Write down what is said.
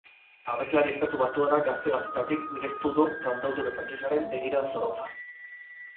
Abeslari estatu batuarrak gazte-gaztetatik mirestu du kantautore frantsesaren begirada zorrotza.